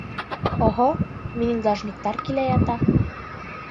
— Оһо, минең должниктар килә ята.